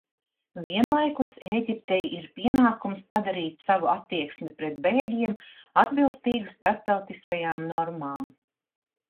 Vienlaikus Ēģiptei ir pienākums padarīt savu attieksmi pret bēgļiem atbilstīgu starptautiskajām normām.